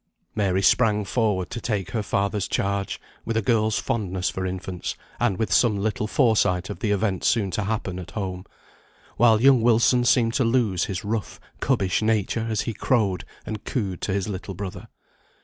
Mary sprang forward to take her father's charge, with a girl's fondness for infants, and with some little foresight of the event soon to happen at home; while young Wilson seemed to lose his rough, cubbish nature as he crowed and cooed to his little brother.